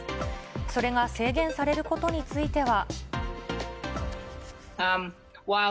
それが制限されることについては。